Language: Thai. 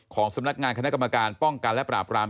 สำนักงานคณะกรรมการป้องกันและปราบราม